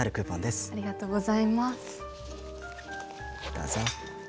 どうぞ。